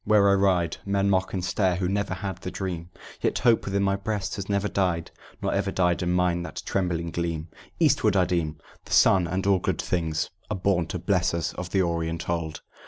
Where I ride, Men mock and stare, who never had the dream, Yet hope within my breast has never died." "Nor ever died in mine that trembling gleam." "Eastward, I deem: the sun and all good things Are born to bless us of the Orient old."